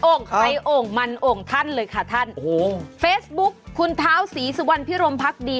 ใครโอ่งมันโอ่งท่านเลยค่ะท่านโอ้โหเฟซบุ๊กคุณเท้าศรีสุวรรณพิรมพักดี